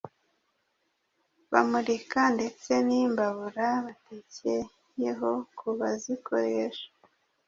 bamurika ndetse n’imbabura batekeyeho ku bazikoresha.